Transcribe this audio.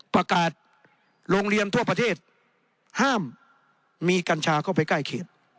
ประกาศโรงเรียนทั่วประเทศห้ามมีกัญชาเข้าไปใกล้เขต